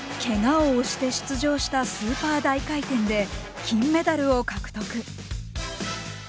けがを押して出場したスーパー大回転で金メダルを獲得。